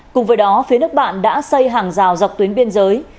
cùng với đó phía nước bạn đã xây hàng rào dọc tuyến biên giới